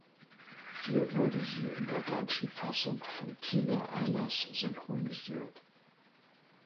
Hier wurde sie in der deutschen Fassung von Tina Eilers synchronisiert.